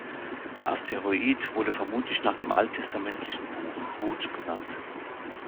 Der Asteroid wurde vermutlich nach dem alttestamentlichen Buch Ruth benannt.